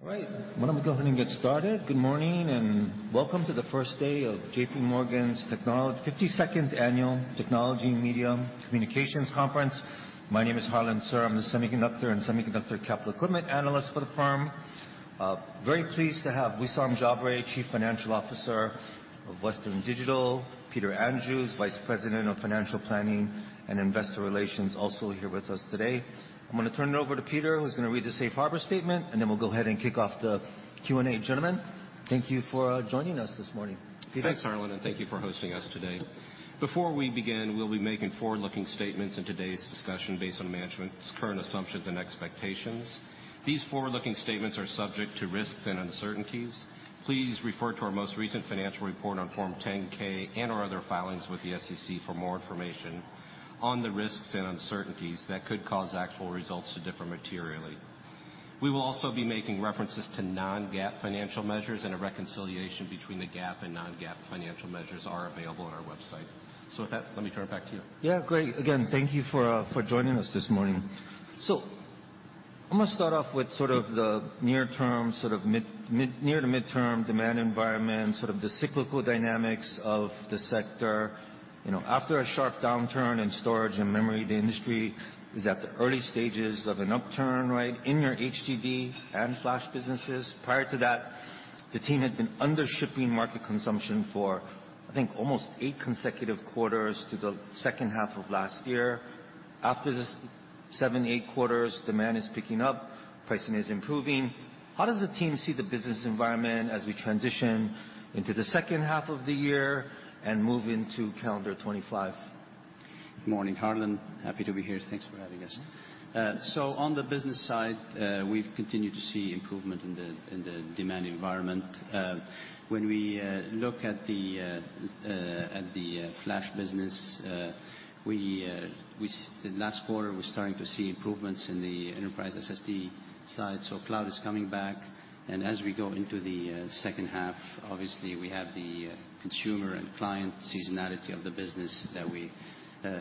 All right, why don't we go ahead and get started? Good morning, and welcome to the first day of J.P. Morgan's 52nd Annual Technology and Media Communications Conference. My name is Harlan Sur. I'm the semiconductor and semiconductor capital equipment analyst for the firm. Very pleased to have Wissam Jabre, Chief Financial Officer of Western Digital, Peter Andrew, Vice President of Financial Planning and Investor Relations, also here with us today. I'm gonna turn it over to Peter, who's gonna read the safe harbor statement, and then we'll go ahead and kick off the Q&A. Gentlemen, thank you for joining us this morning. Peter? Thanks, Harlan, and thank you for hosting us today. Before we begin, we'll be making forward-looking statements in today's discussion based on management's current assumptions and expectations. These forward-looking statements are subject to risks and uncertainties. Please refer to our most recent financial report on Form 10-K and/or other filings with the SEC for more information on the risks and uncertainties that could cause actual results to differ materially. We will also be making references to non-GAAP financial measures, and a reconciliation between the GAAP and non-GAAP financial measures are available on our website. So with that, let me turn it back to you. Great. Again, thank you for joining us this morning. So I'm gonna start off with the near term, near to mid-term demand environment, the cyclical dynamics of the sector. You know, after a sharp downturn in storage and memory, the industry is at the early stages of an upturn, right, in your HDD and flash businesses. Prior to that, the team had been under shipping market consumption for, I think, almost 8 consecutive quarters to the H2 of last year. After this 7, 8 quarters, demand is picking up, pricing is improving. How does the team see the business environment as we transition into the H2 of the year and move into calendar 2025? Good morning, Harlan Sur. Happy to be here. Thanks for having us. So on the business side, we've continued to see improvement in the demand environment. When we look at the flash business, we last quarter, we're starting to see improvements in the enterprise SSD side, so cloud is coming back. And as we go into the H2, obviously, we have the consumer and client seasonality of the business that we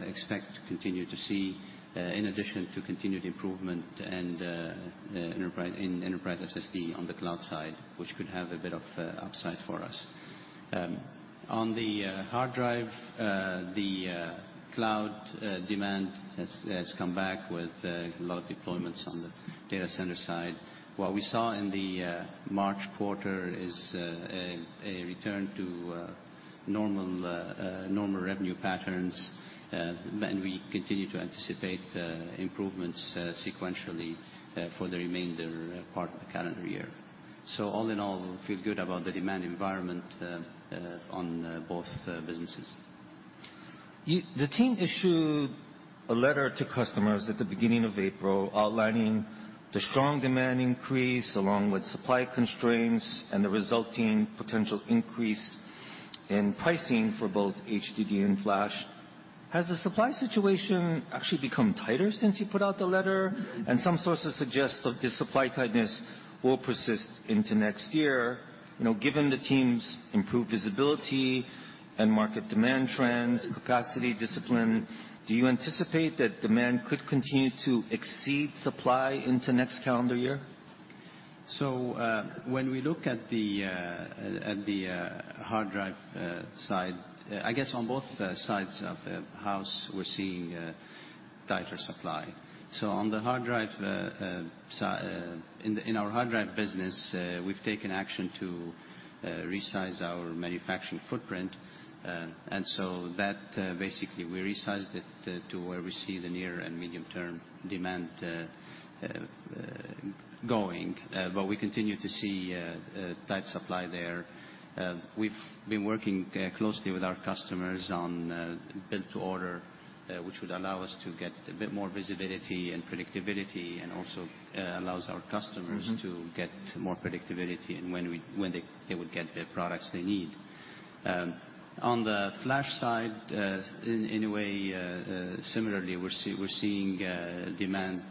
expect to continue to see, in addition to continued improvement and the enterprise SSD on the cloud side, which could have a bit of upside for us. On the hard drive, the cloud demand has come back with a lot of deployments on the data center side. What we saw in the March quarter is a return to normal revenue patterns, and we continue to anticipate improvements sequentially for the remainder part of the calendar year. So all in all, we feel good about the demand environment on both businesses. The team issued a letter to customers at the beginning of April, outlining the strong demand increase, along with supply constraints and the resulting potential increase in pricing for both HDD and flash. Has the supply situation actually become tighter since you put out the letter? Some sources suggest that this supply tightness will persist into next year. You know, given the team's improved visibility and market demand trends, capacity, discipline, do you anticipate that demand could continue to exceed supply into next calendar year? So, when we look at the hard drive side, I guess on both sides of the house, we're seeing tighter supply. So on the hard drive, in our hard drive business, we've taken action to resize our manufacturing footprint, and so that, basically, we resized it to where we see the near and medium-term demand going. We've been working closely with our customers on build to order, which would allow us to get a bit more visibility and predictability, and also allows our customers to get more predictability in when they would get the products they need. On the flash side, in a way, similarly, we're seeing demand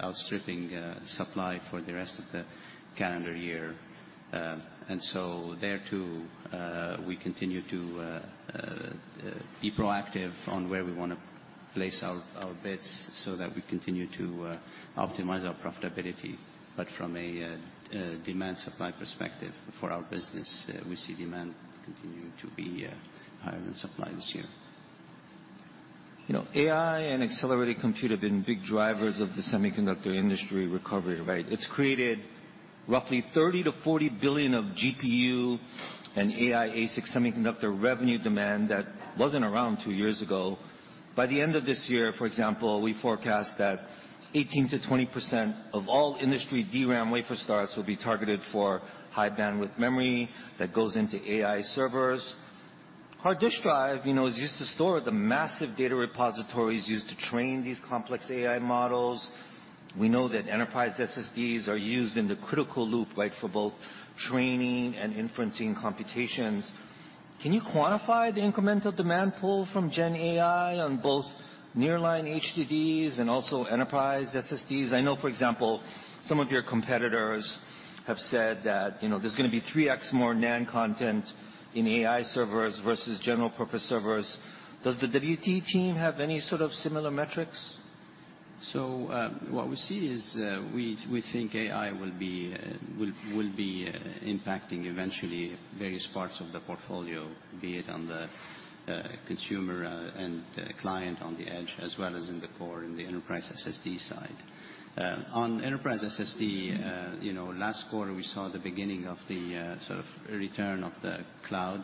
outstripping supply for the rest of the calendar year. And so there, too, we continue to be proactive on where we wanna place our bets so that we continue to optimize our profitability. But from a demand-supply perspective for our business, we see demand continuing to be higher than supply this year. You know, AI and accelerated compute have been big drivers of the semiconductor industry recovery, right? It's created roughly $30 billion-$40 billion of GPU and AI ASIC semiconductor revenue demand that wasn't around two years ago. By the end of this year, for example, we forecast that 18%-20% of all industry DRAM wafer starts will be targeted for High Bandwidth Memory that goes into AI servers. Hard disk drive, you know, is used to store the massive data repositories used to train these complex AI models. We know that enterprise SSDs are used in the critical loop, like for both training and inferencing computations. Can you quantify the incremental demand pull from Gen AI on both nearline HDDs and also enterprise SSDs? I know, for example, some of your competitors-... have said that, you know, there's gonna be 3x more NAND content in AI servers versus general purpose servers. Does the WD team have any similar metrics? So, what we see is, we think AI will be impacting eventually various parts of the portfolio, be it on the consumer and client on the edge, as well as in the core, in the Enterprise SSD side. On Enterprise SSD, you know, last quarter, we saw the beginning of the return of the cloud.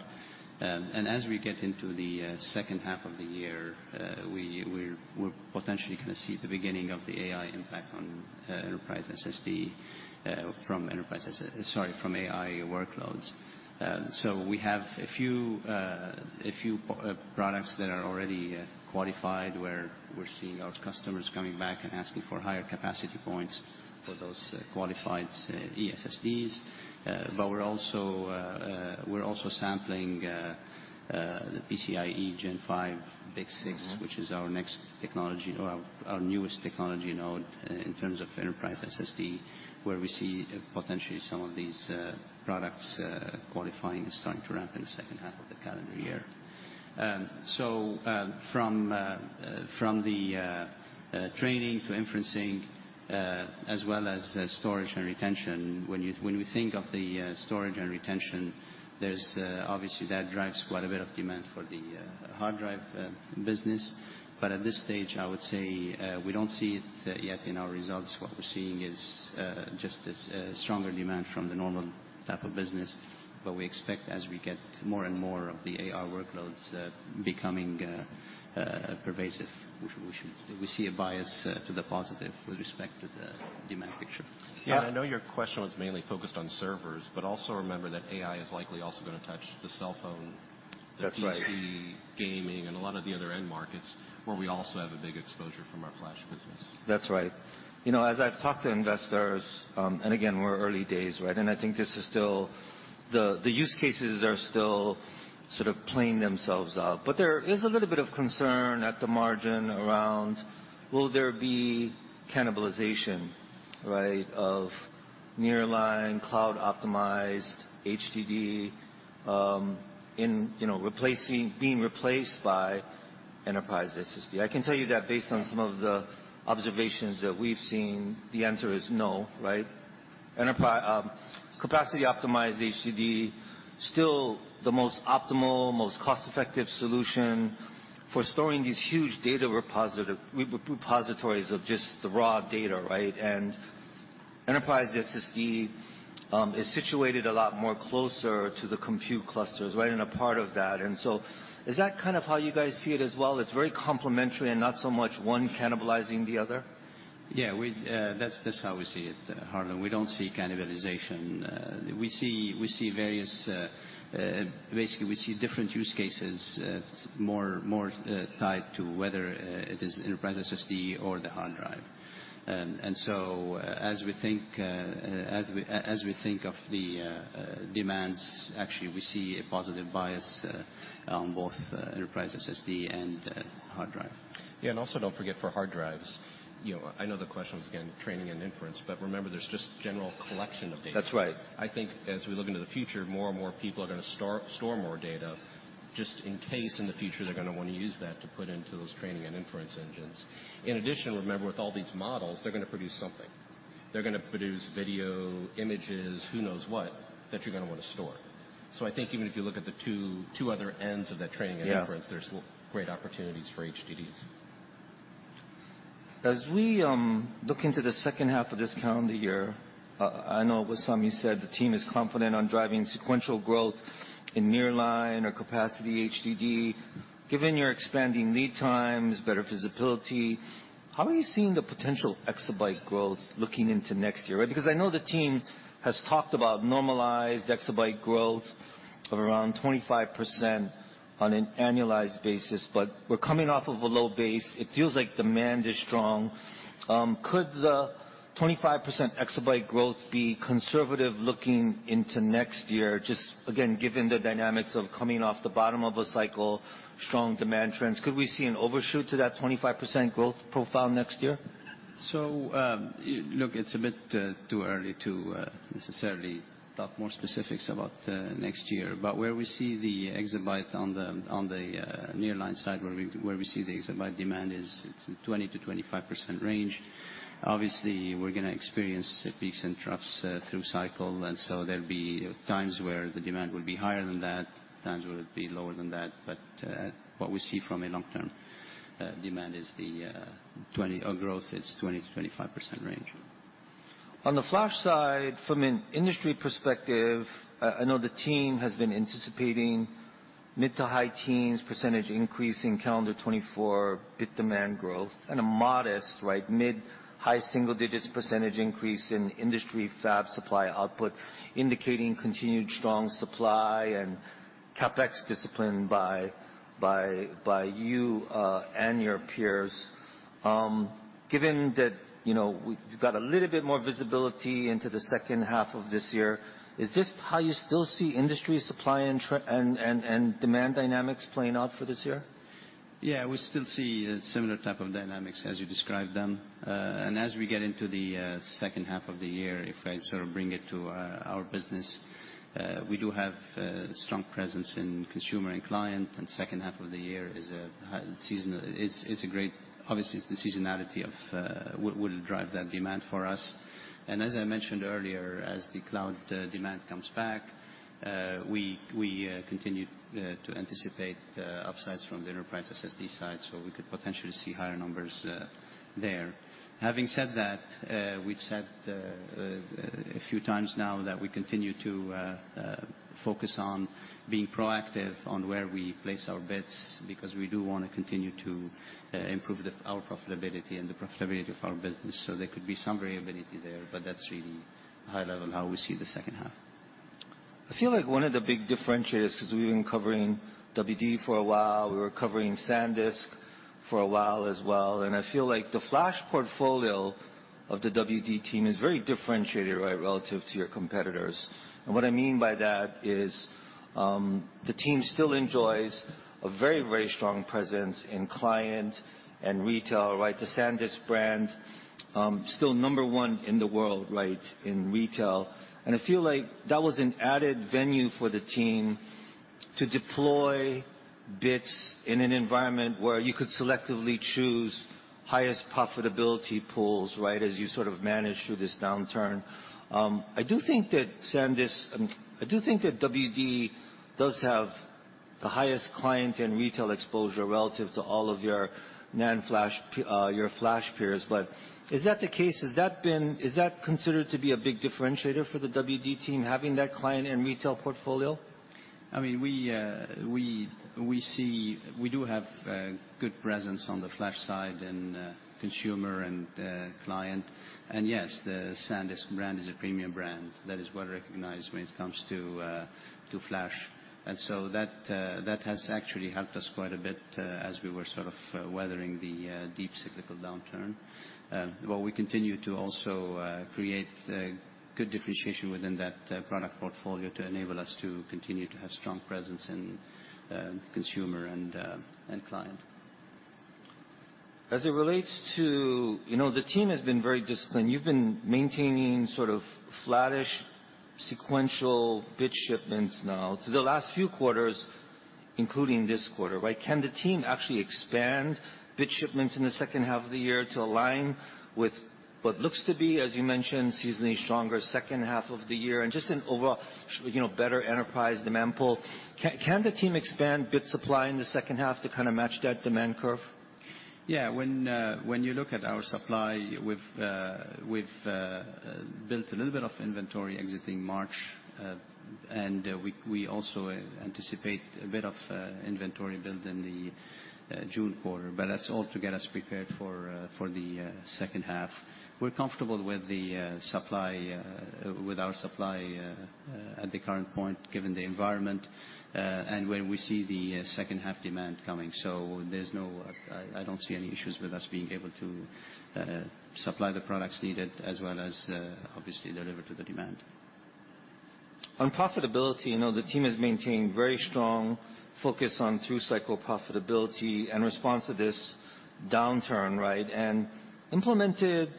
And as we get into the H2 of the year, we're potentially gonna see the beginning of the AI impact on Enterprise SSD from Enterprise SSD. Sorry, from AI workloads. So we have a few products that are already qualified, where we're seeing our customers coming back and asking for higher capacity points for those qualified Enterprise SSDs. But we're also sampling the PCIe Gen 5 BiCS6,which is our next technology or our newest technology node in terms of Enterprise SSD, where we see potentially some of these products qualifying and starting to ramp in the H2 of the calendar year. So, from the training to inferencing, as well as storage and retention, when we think of the storage and retention, there's obviously that drives quite a bit of demand for the hard drive business. But at this stage, I would say, we don't see it yet in our results. What we're seeing is just a stronger demand from the normal type of business. But we expect as we get more and more of the AI workloads becoming pervasive, we see a bias to the positive with respect to the demand picture. I know your question was mainly focused on servers, but also remember that AI is likely also gonna touch the cell phone the PC, gaming, and a lot of the other end markets, where we also have a big exposure from our flash business. That's right. You know, as I've talked to investors, and again, we're early days, right? And I think this is still... The use cases are still playing themselves out. But there is a little bit of concern at the margin around, will there be cannibalization, right, of Nearline, Cloud-Optimized HDD, in, you know, replacing, being replaced by Enterprise SSD? I can tell you that based on some of the observations that we've seen, the answer is no, right? Enterprise capacity optimized HDD, still the most optimal, most cost-effective solution for storing these huge data repositories of just the raw data, right? And enterprise SSD is situated a lot more closer to the compute clusters, right, and a part of that. And so is that how you guys see it as well? It's very complementary and not so much one cannibalizing the other. That's how we see it, Harlan. We don't see cannibalization. Basically, we see different use cases more tied to whether it is Enterprise SSD or the hard drive. And so as we think of the demands, actually, we see a positive bias on both Enterprise SSD and hard drive. And also, don't forget, for hard drives, you know, I know the question was, again, training and inference, but remember, there's just general collection of data. That's right. I think as we look into the future, more and more people are gonna store, store more data just in case in the future, they're gonna wanna use that to put into those training and inference engines. In addition, remember, with all these models, they're gonna produce something. They're gonna produce video, images, who knows what, that you're gonna wanna store. So I think even if you look at the two, two other ends of that training and inference, there's great opportunities for HDDs. As we look into the H2 of this calendar year, I know, Wissam, you said the team is confident on driving sequential growth in nearline or capacity HDD. Given your expanding lead times, better visibility, how are you seeing the potential exabyte growth looking into next year, right? Because I know the team has talked about normalized exabyte growth of around 25% on an annualized basis, but we're coming off of a low base. It feels like demand is strong. Could the 25% exabyte growth be conservative looking into next year? Just again, given the dynamics of coming off the bottom of a cycle, strong demand trends, could we see an overshoot to that 25% growth profile next year? So, look, it's a bit too early to necessarily talk more specifics about next year, but where we see the exabyte on the, on the nearline side, where we, where we see the exabyte demand is it's in 20%-25% range. Obviously, we're gonna experience peaks and troughs through cycle, and so there'll be times where the demand will be higher than that, times where it'll be lower than that. But what we see from a long-term demand is the 20, or growth is 20%-25% range. On the flash side, from an industry perspective, I know the team has been anticipating mid- to high-teens % increase in calendar 2024 bit demand growth and a modest, right, mid- to high-single-digits % increase in industry fab supply output, indicating continued strong supply and CapEx discipline by you and your peers. Given that, you know, we've got a little bit more visibility into the H2 of this year, is this how you still see industry supply and demand dynamics playing out for this year? We still see a similar type of dynamics as you described them. And as we get into the H2 of the year, if I bring it to our business, we do have strong presence in consumer and client, and H2 of the year is a high season. It's a great, obviously, it's the seasonality of will drive that demand for us. And as I mentioned earlier, as the cloud demand comes back, we continue to anticipate upsides from the Enterprise SSD side, so we could potentially see higher numbers there. Having said that, we've said a few times now that we continue to focus on being proactive on where we place our bets, because we do want to continue to improve our profitability and the profitability of our business. So there could be some variability there, but that's really high level, how we see the H2. I feel like one of the big differentiators, because we've been covering WD for a while, we were covering SanDisk for a while as well, and I feel like the flash portfolio of the WD team is very differentiated, right, relative to your competitors. And what I mean by that is, the team still enjoys a very, very strong presence in client and retail, right? The SanDisk brand, still number 1 in the world, right, in retail. And I feel like that was an added venue for the team to deploy bits in an environment where you could selectively choose highest profitability pools, right, as you manage through this downturn. I do think that SanDisk, I do think that WD does have the highest client and retail exposure relative to all of your NAND flash peers. But is that the case? Is that considered to be a big differentiator for the WD team, having that client and retail portfolio? I mean, we see. We do have good presence on the flash side and consumer and client. And yes, the SanDisk brand is a premium brand that is well recognized when it comes to flash. And so that has actually helped us quite a bit, as we were weathering the deep cyclical downturn. But we continue to also create good differentiation within that product portfolio to enable us to continue to have strong presence in consumer and client. As it relates to, you know, the team has been very disciplined. You've been maintaining flattish, sequential bit shipments now, to the last few quarters, including this quarter, right? Can the team actually expand bit shipments in the H2 of the year to align with what looks to be, as you mentioned, seasonally stronger H2 of the year, and just an overall, you know, better enterprise demand pool? Can the team expand bit supply in the H2 to match that demand curve? When you look at our supply, we've built a little bit of inventory exiting March, and we also anticipate a bit of inventory build in the June quarter. But that's all to get us prepared for the H2. We're comfortable with the supply with our supply at the current point, given the environment, and where we see the H2 demand coming. So there's no... I don't see any issues with us being able to supply the products needed, as well as obviously, deliver to the demand. On profitability, you know, the team has maintained very strong focus on two cycle profitability in response to this downturn, right? Implemented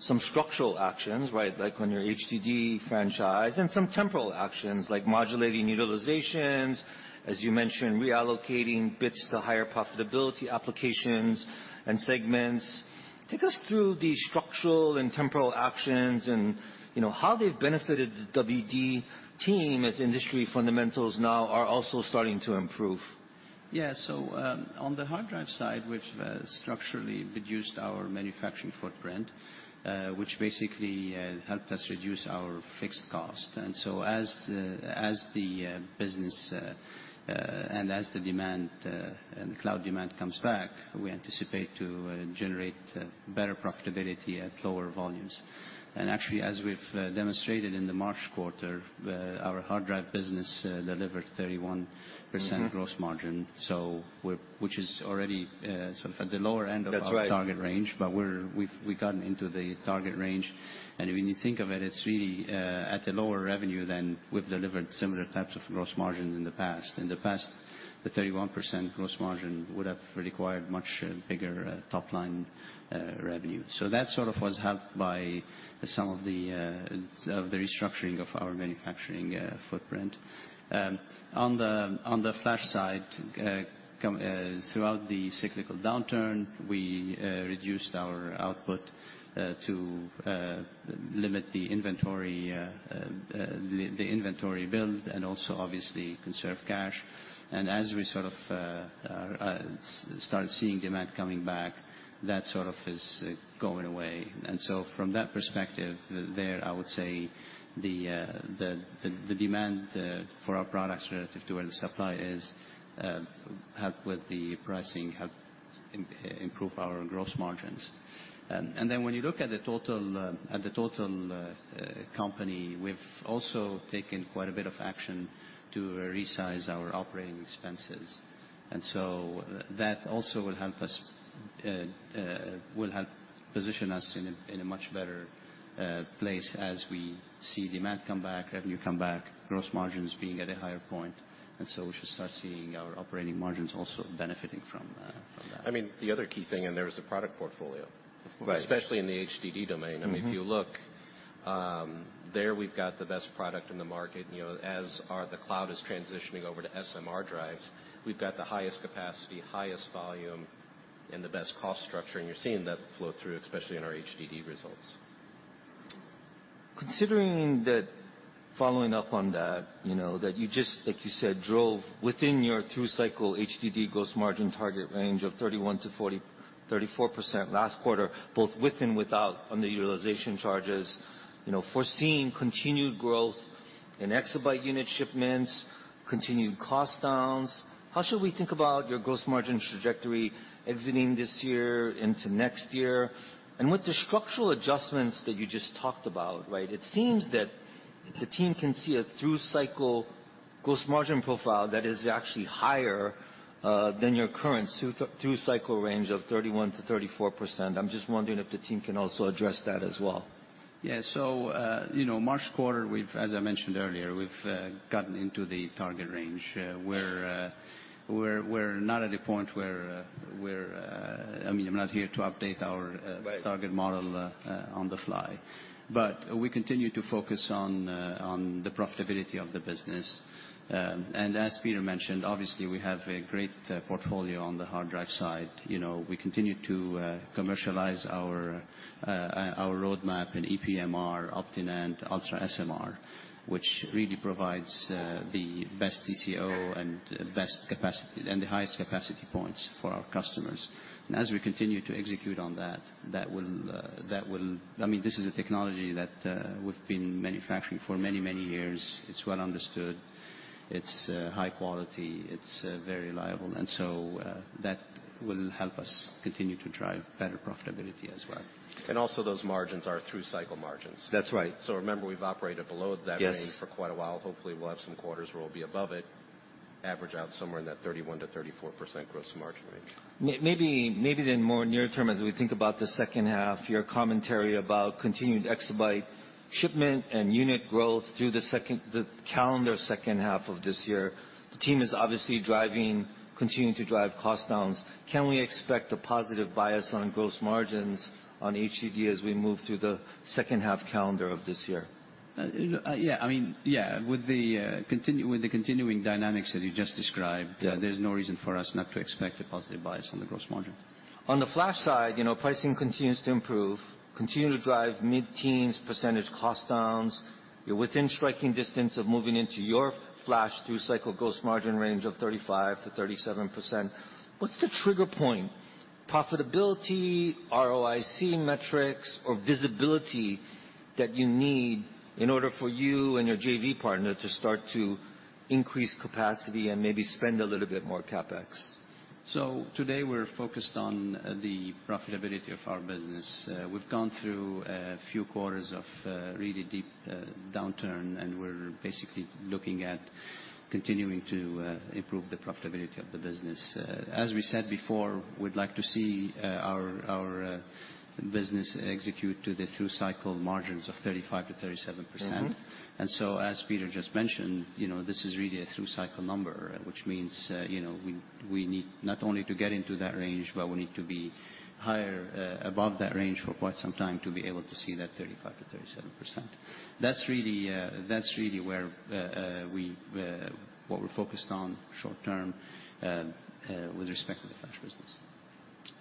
some structural actions, right, like on your HDD franchise, and some temporal actions, like modulating utilizations, as you mentioned, reallocating bits to higher profitability applications and segments. Take us through the structural and temporal actions and, you know, how they've benefited the WD team as industry fundamentals now are also starting to improve. So, on the hard drive side, which structurally reduced our manufacturing footprint, which basically helped us reduce our fixed cost. And so as the business and as the demand and the cloud demand comes back, we anticipate to generate better profitability at lower volumes. And actually, as we've demonstrated in the March quarter, our hard drive business delivered 31% gross margin. So which is already at the lower end of our target range, but we've gotten into the target range. And when you think of it, it's really at a lower revenue than we've delivered similar types of gross margins in the past. In the past, the 31% gross margin would have required much bigger top line revenue. So that was helped by some of the restructuring of our manufacturing footprint. On the flash side, throughout the cyclical downturn, we reduced our output to limit the inventory build, and also obviously conserve cash. And as we start seeing demand coming back, that is going away. From that perspective, there I would say the demand for our products relative to where the supply is helped with the pricing, helped improve our gross margins. And then when you look at the total company, we've also taken quite a bit of action to resize our operating expenses, and so that also will help position us in a much better place as we see demand come back, revenue come back, gross margins being at a higher point. And so we should start seeing our operating margins also benefiting from that. I mean, the other key thing in there is the product portfolio. Right. Especially in the HDD domain. I mean, if you look there, we've got the best product in the market, you know, as the cloud is transitioning over to SMR drives. We've got the highest capacity, highest volume, and the best cost structure, and you're seeing that flow through, especially in our HDD results. Considering that, following up on that, you know, that you just, like you said, drove within your through-cycle HDD gross margin target range of 31 to 40 -- 34% last quarter, both with and without underutilization charges. You know, foreseeing continued growth in exabyte unit shipments, continued cost downs, how should we think about your gross margin trajectory exiting this year into next year? And with the structural adjustments that you just talked about, right, it seems that the team can see a through-cycle gross margin profile that is actually higher than your current through-cycle range of 31%-34%. I'm just wondering if the team can also address that as well. So, you know, March quarter, we've—as I mentioned earlier, we've gotten into the target range. We're not at a point where we're. I mean, I'm not here to update our target model, on the fly. But we continue to focus on, on the profitability of the business. And as Peter mentioned, obviously, we have a great, portfolio on the hard drive side. You know, we continue to, commercialize our, our roadmap in ePMR, OptiNAND, UltraSMR, which really provides, the best TCO and best capacity, and the highest capacity points for our customers. And as we continue to execute on that, that will, that will - I mean, this is a technology that, we've been manufacturing for many, many years. It's well understood. It's, high quality. It's, very reliable, and so, that will help us continue to drive better profitability as well. Also, those margins are through-cycle margins? That's right. Remember, we've operated below that range for quite a while. Hopefully, we'll have some quarters where we'll be above it, average out somewhere in that 31%-34% gross margin range. Maybe, maybe then more near term, as we think about the H2, your commentary about continued exabyte shipment and unit growth through the second, the calendar H2 of this year. The team is obviously driving, continuing to drive cost downs. Can we expect a positive bias on gross margins on HDD as we move through the H2 calendar of this year? With the continuing dynamics that you just described, there's no reason for us not to expect a positive bias on the gross margin. On the flash side, you know, pricing continues to improve, continue to drive mid-teens% cost downs. You're within striking distance of moving into your flash through-cycle gross margin range of 35%-37%. What's the trigger point, profitability, ROIC metrics, or visibility that you need in order for you and your JV partner to start to increase capacity and maybe spend a little bit more CapEx? Today, we're focused on the profitability of our business. We've gone through a few quarters of really deep downturn, and we're basically looking at continuing to improve the profitability of the business. As we said before, we'd like to see our business execute to the through-cycle margins of 35%-37%. And so, as Peter just mentioned, you know, this is really a through-cycle number, which means, you know, we need not only to get into that range, but we need to be higher, above that range for quite some time to be able to see that 35%-37%. That's really, that's really where what we're focused on short term, with respect to the flash business.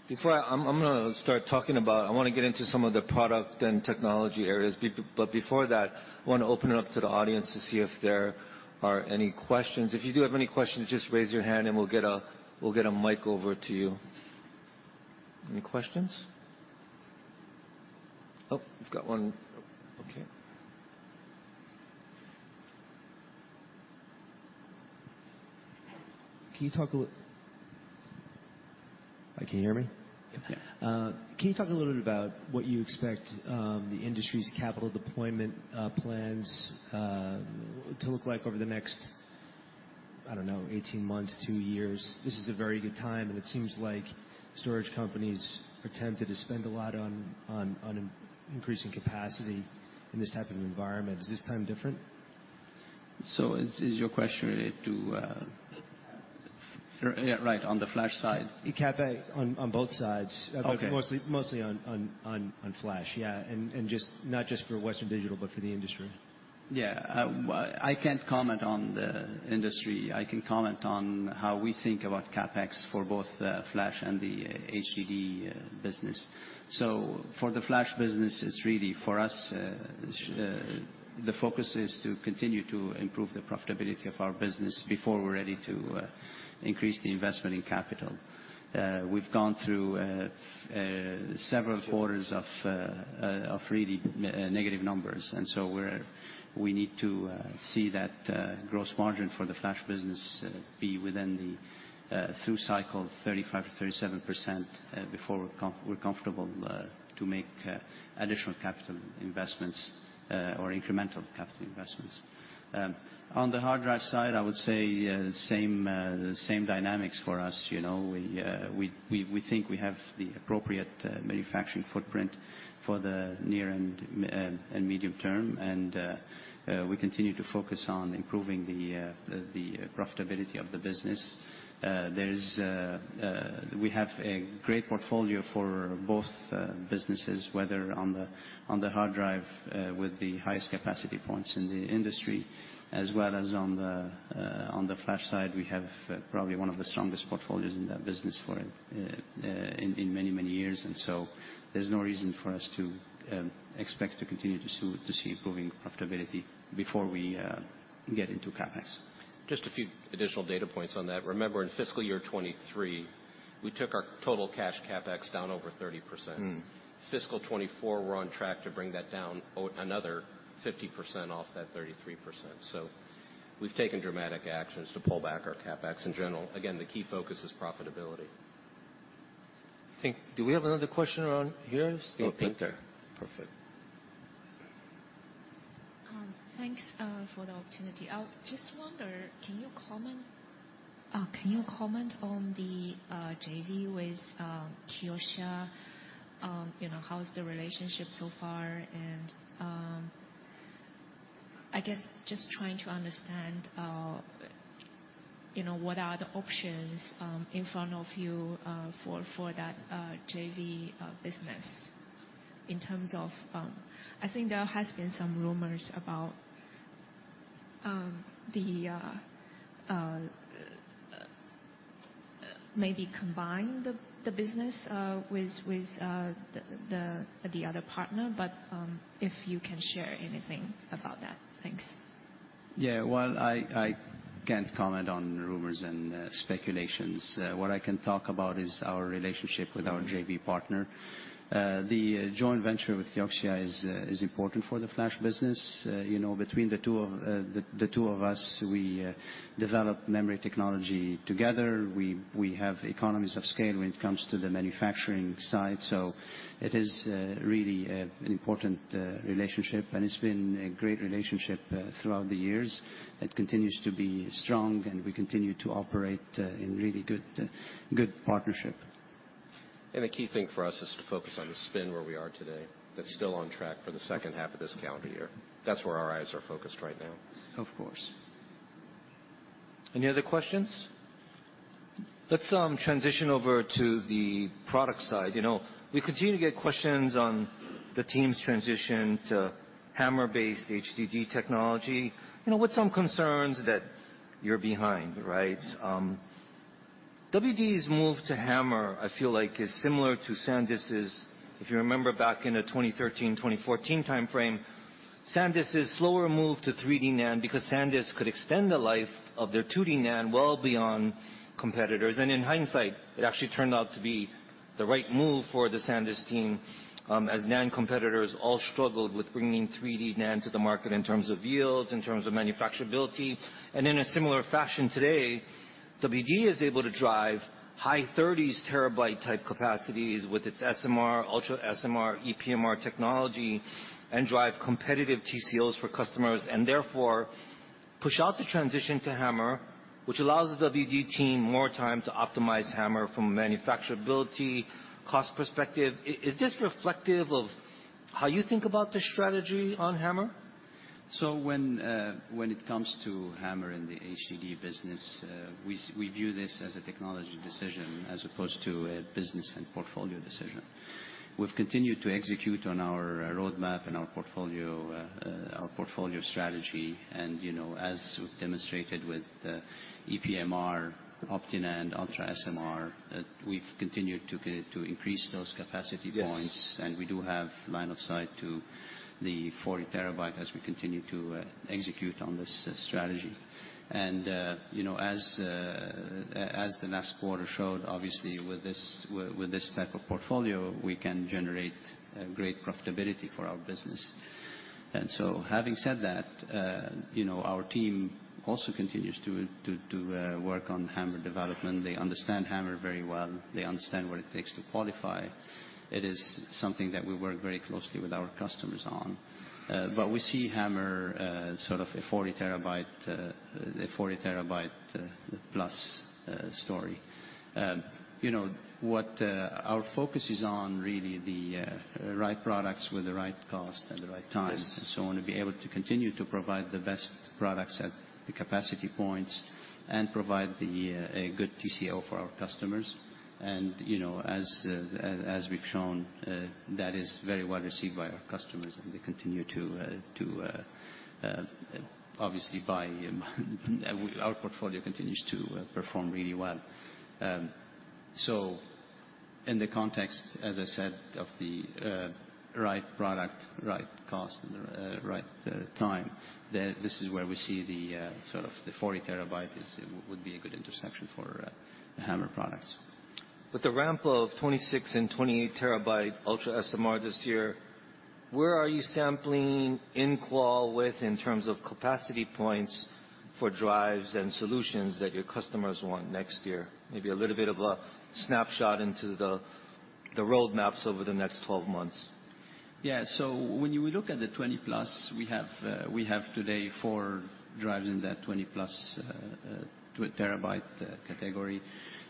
Before I start talking about, I wanna get into some of the product and technology areas. But before that, I wanna open it up to the audience to see if there are any questions. If you do have any questions, just raise your hand, and we'll get a mic over to you. Any questions? Oh, we've got one. Okay. Can you talk a little... Can you hear me? Yeah. Can you talk a little bit about what you expect, the industry's capital deployment plans, to look like over the next, I don't know, 18 months, 2 years? This is a very good time, and it seems like storage companies are tempted to spend a lot on increasing capacity in this type of environment. Is this time different? Is your question related to? Right, on the flash side. CapEx on both sides. But mostly on flash and just not just for Western Digital, but for the industry. I can't comment on the industry. I can comment on how we think about CapEx for both flash and the HDD business. So for the flash business, it's really, for us, the focus is to continue to improve the profitability of our business before we're ready to increase the investment in capital. We've gone through several quarters of really negative numbers, and so we're... We need to see that gross margin for the flash business be within the through cycle 35%-37% before we're comfortable to make additional capital investments or incremental capital investments. On the hard drive side, I would say same dynamics for us. You know, we think we have the appropriate manufacturing footprint for the near and medium term, and we continue to focus on improving the profitability of the business. We have a great portfolio for both businesses, whether on the hard drive with the highest capacity points in the industry, as well as on the flash side, we have probably one of the strongest portfolios in that business for in many, many years. And so there's no reason for us to expect to continue to see improving profitability before we get into CapEx. Just a few additional data points on that. Remember, in FY 2023, we took our total cash CapEx down over 30%. FY 2024, we're on track to bring that down another 50% off that 33%. So we've taken dramatic actions to pull back our CapEx in general. Again, the key focus is profitability. I think, do we have another question around here? I think there. Perfect. Thanks for the opportunity. I just wonder, can you comment on the JV with Kioxia? You know, how is the relationship so far? And I guess just trying to understand, you know, what are the options in front of you for that JV business in terms of... I think there has been some rumors about maybe combine the business with the other partner, but if you can share anything about that. Thanks. I can't comment on rumors and speculations. What I can talk about is our relationship with our JV partner. The joint venture with Kioxia is important for the flash business. You know, between the two of us, we develop memory technology together. We have economies of scale when it comes to the manufacturing side, so it is really an important relationship, and it's been a great relationship throughout the years. It continues to be strong, and we continue to operate in really good partnership. The key thing for us is to focus on the spin where we are today. That's still on track for the H2 of this calendar year. That's where our eyes are focused right now. Of course. Any other questions? Let's transition over to the product side. You know, we continue to get questions on the team's transition to HAMR-based HDD technology. You know, with some concerns that you're behind, right? WD's move to HAMR, I feel like, is similar to SanDisk's. If you remember back in the 2013, 2014 timeframe, SanDisk's slower move to 3D NAND, because SanDisk could extend the life of their 2D NAND well beyond competitors. And in hindsight, it actually turned out to be the right move for the SanDisk team, as NAND competitors all struggled with bringing 3D NAND to the market in terms of yields, in terms of manufacturability. In a similar fashion today, WD is able to drive high 30s terabyte-type capacities with its SMR, UltraSMR, ePMR technology, and drive competitive TCOs for customers, and therefore, push out the transition to HAMR, which allows the WD team more time to optimize HAMR from a manufacturability, cost perspective. Is this reflective of how you think about the strategy on HAMR? So when, when it comes to HAMR in the HDD business, we, we view this as a technology decision as opposed to a business and portfolio decision. We've continued to execute on our roadmap and our portfolio, our portfolio strategy. You know, as we've demonstrated with ePMR, OptiNAND, UltraSMR, we've continued to, to increase those capacity points. We do have line of sight to the 40 TB as we continue to execute on this strategy. You know, as the last quarter showed, obviously, with this type of portfolio, we can generate great profitability for our business. So having said that, you know, our team also continues to work on HAMR development. They understand HAMR very well. They understand what it takes to qualify. It is something that we work very closely with our customers on. But we see HAMR a 40 TB, a 40 TB-plus story. You know, our focus is on really the right products with the right cost at the right time. Yes. So we want to be able to continue to provide the best products at the capacity points and provide a good TCO for our customers. And, you know, as we've shown, that is very well received by our customers, and they continue to obviously buy, and our portfolio continues to perform really well. So in the context, as I said, of the right product, right cost, and the right time, this is where we see the 40 TB is would be a good intersection for the HAMR products. With the ramp of 26- and 20-terabyte UltraSMR this year, where are you sampling in qual with in terms of capacity points for drives and solutions that your customers want next year? Maybe a little bit of a snapshot into the, the roadmaps over the next 12 months. So when you look at the 20+, we have, we have today 4 drives in that 20+ TB category.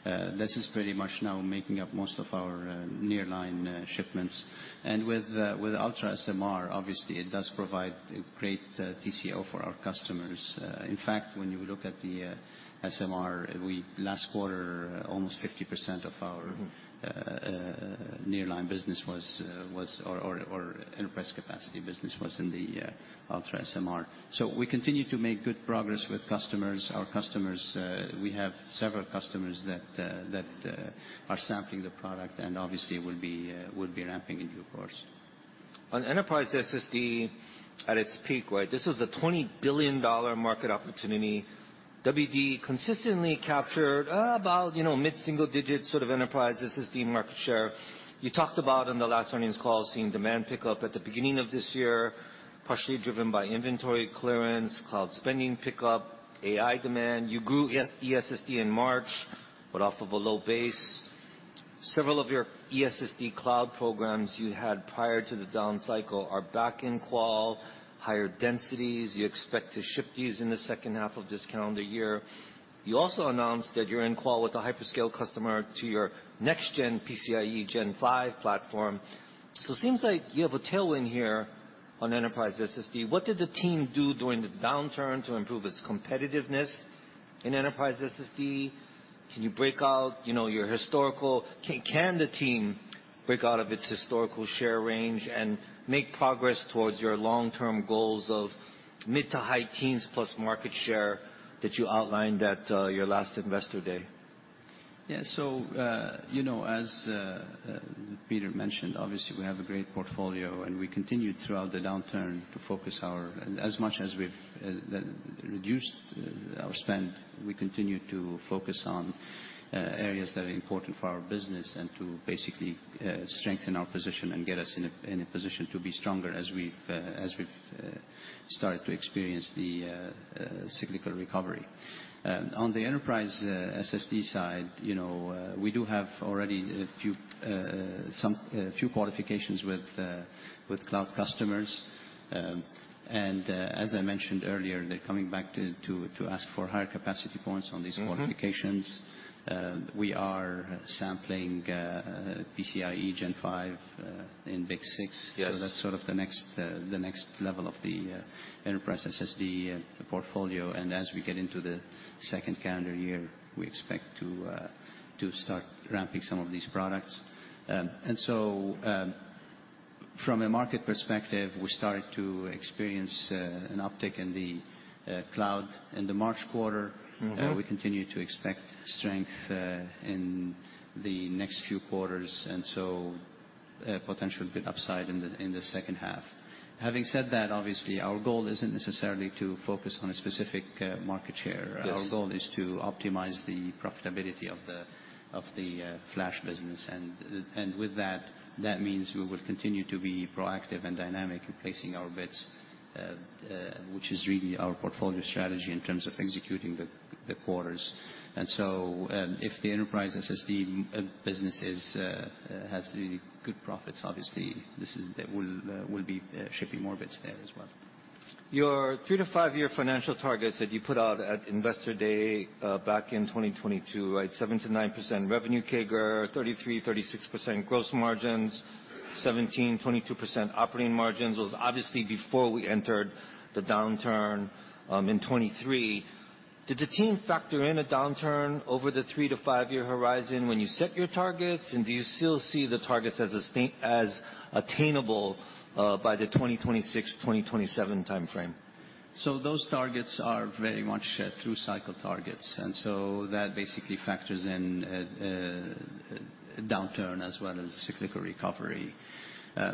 This is pretty much now making up most of our nearline shipments. And with UltraSMR, obviously, it does provide a great TCO for our customers. In fact, when you look at the SMR, we, last quarter, almost 50% of our nearline business was or enterprise capacity business was in the UltraSMR. So we continue to make good progress with customers. Our customers, we have several customers that are sampling the product, and obviously will be ramping into course. On enterprise SSD at its peak, right? This is a $20 billion market opportunity. WD consistently captured, about, you know, mid-single digit enterprise SSD market share. You talked about on the last earnings call, seeing demand pick up at the beginning of this year, partially driven by inventory clearance, cloud spending pick up, AI demand. You grew ESSD in March, but off of a low base. Several of your ESSD cloud programs you had prior to the down cycle are back in qual, higher densities. You expect to ship these in the H2 of this calendar year. You also announced that you're in qual with a hyperscale customer to your next gen PCIe Gen 5 platform. So seems like you have a tailwind here on enterprise SSD. What did the team do during the downturn to improve its competitiveness in enterprise SSD? Can the team break out of its historical share range and make progress towards your long-term goals of mid to high teens plus market share, that you outlined at your last Investor Day? So, you know, as Peter mentioned, obviously, we have a great portfolio, and we continued throughout the downturn to focus our—as much as we've reduced our spend, we continued to focus on areas that are important for our business and to basically strengthen our position and get us in a position to be stronger as we've started to experience the cyclical recovery. On the enterprise SSD side, you know, we do have already a few, some few qualifications with the, with cloud customers. And, as I mentioned earlier, they're coming back to, to, to ask for higher capacity points on these qualifications. We are sampling PCIe Gen 5 in BiCS6. Yes. So that's the next, the next level of the enterprise SSD portfolio. And as we get into the second calendar year, we expect to to start ramping some of these products. And so, from a market perspective, we started to experience an uptick in the cloud in the March quarter. We continue to expect strength in the next few quarters, and so, potential good upside in the H2. Having said that, obviously, our goal isn't necessarily to focus on a specific market share. Yes. Our goal is to optimize the profitability of the flash business. And with that, that means we will continue to be proactive and dynamic in placing our bets, which is really our portfolio strategy in terms of executing the quarters. And so, if the Enterprise SSD business has the good profits, obviously this is the—we'll will be shipping more bits there as well. Your 3-5-year financial targets that you put out at Investor Day, back in 2022, right, 7%-9% revenue CAGR, 33%-36% gross margins, 17%-22% operating margins, was obviously before we entered the downturn in 2023. Did the team factor in a downturn over the 3-5-year horizon when you set your targets? And do you still see the targets as attainable by the 2026-2027 timeframe? Those targets are very much through cycle targets, and so that basically factors in downturn as well as cyclical recovery.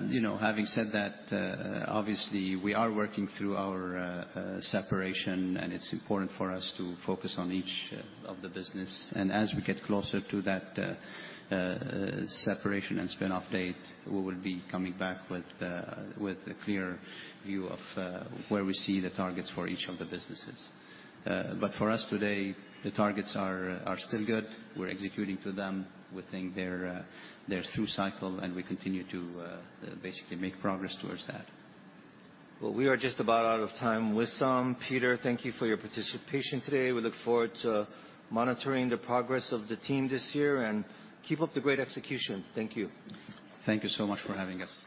You know, having said that, obviously, we are working through our separation, and it's important for us to focus on each of the business. As we get closer to that separation and spin-off date, we will be coming back with with a clear view of where we see the targets for each of the businesses. But for us today, the targets are are still good. We're executing to them. We think they're they're through cycle, and we continue to basically make progress towards that. Well, we are just about out of time with some. Peter, thank you for your participation today. We look forward to monitoring the progress of the team this year, and keep up the great execution. Thank you. Thank you so much for having us.